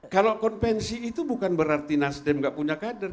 kalau konvensi itu bukan berarti nasdem nggak punya kader